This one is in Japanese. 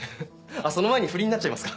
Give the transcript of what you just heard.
あっその前に不倫になっちゃいますか。